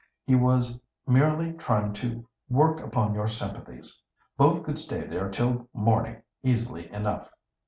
"He was merely trying to work upon your sympathies. Both could stay there till morning easily enough."